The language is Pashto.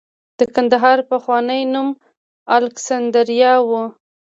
د کندهار پخوانی نوم الکسندریا و